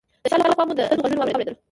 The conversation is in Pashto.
د شا له خوا مو د ډزو غږونه واورېدل.